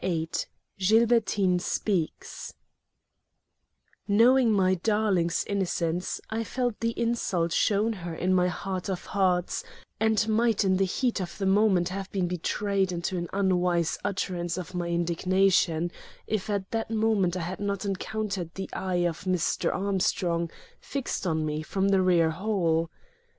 VIII GILBERTINE SPEAKS Knowing my darling's innocence, I felt the insult shown her in my heart of hearts, and might in the heat of the moment have been betrayed into an unwise utterance of my indignation, if at that moment I had not encountered the eye of Mr. Armstrong, fixed on me from the rear hall.